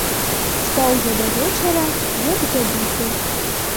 Спаў я да вечара, як забіты.